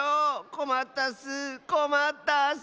こまったッスこまったッス！